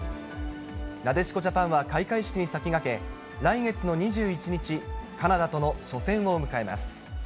なでしこジャパンは開会式に先駆け、来月の２１日、カナダとの初戦を迎えます。